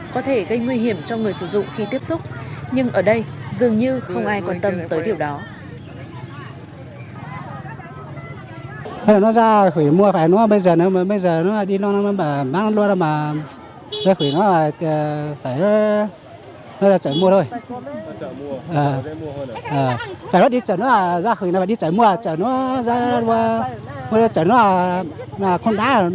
có thể gây nguy hiểm cho người sử dụng khi tiếp xúc nhưng ở đây dường như không ai quan tâm tới điều đó